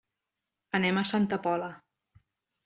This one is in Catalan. Anem a Santa Pola.